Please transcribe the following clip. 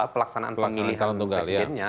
pelaksanaan pemilihan presidennya